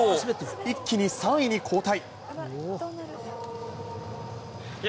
一気に３位に後退。